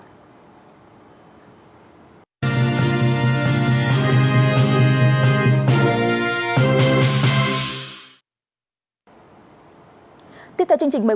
tiếp theo chương trình mời quý vị hãy subscribe cho kênh la la school để không bỏ lỡ những video hấp dẫn